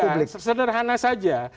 ya sederhana saja